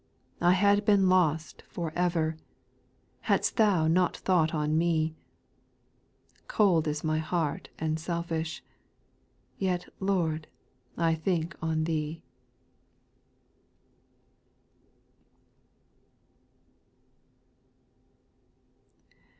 8. I had been lost for ever, Had'st Thou not thought on me ; Cold is my heart and selfish ;— Yet, Lord, I think on Thee.